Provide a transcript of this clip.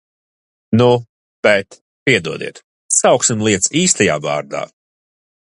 Nu, bet, piedodiet, sauksim lietas īstajā vārdā!